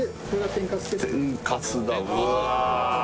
天かすだうわ